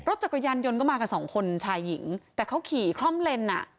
จักรยานยนต์ก็มากับสองคนชายหญิงแต่เขาขี่คล่อมเลนอ่ะ